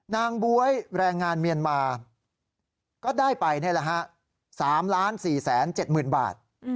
บ๊วยแรงงานเมียนมาก็ได้ไป๓๔๗๐๐๐บาท